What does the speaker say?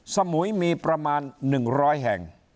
สมุยมีประมาณ๑๐๐แห่ง